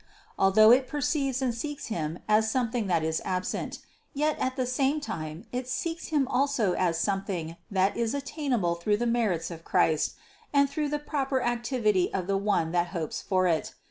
Although it perceives and seeks Him as something that is absent, yet at the same time it seeks Him also as something that is attainable through the merits of Christ and through the proper activity of the one that hopes for it.